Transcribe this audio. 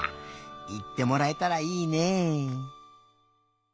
いってもらえたらいいね。